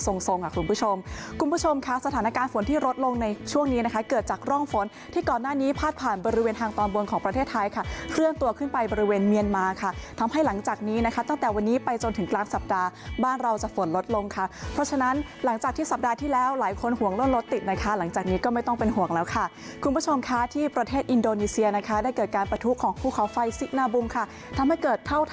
ทรงค่ะคุณผู้ชมคุณผู้ชมค่ะสถานการณ์ฝนที่ลดลงในช่วงนี้นะคะเกิดจากร่องฝนที่ก่อนหน้านี้พาดผ่านบริเวณทางตอนบนของประเทศไทยค่ะเคลื่อนตัวขึ้นไปบริเวณเมียนมาค่ะทำให้หลังจากนี้นะคะตั้งแต่วันนี้ไปจนถึงกลางสัปดาห์บ้านเราจะฝนลดลงค่ะเพราะฉะนั้นหลังจากที่สัปดาห์ที่แล้วหลายคนห่วงลดลด